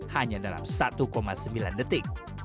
hanya dalam satu sembilan detik